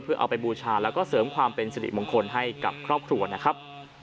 เพื่อเอาไปบูชาแล้วก็เสริมความเป็นสิริมงคลให้กับครอบครัวนะครับ